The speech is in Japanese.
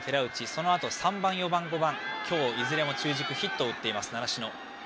そのあと３番、４番、５番と今日いずれも中軸ヒットを打っています習志野。